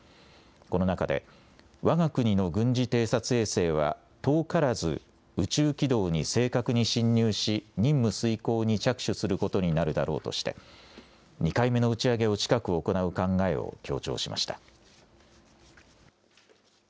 この中でわが国の軍事偵察衛星は遠からず宇宙軌道に正確に進入し任務遂行に着手することになるだろうとして２回目の打ち上げを近く行う考えを強調しました。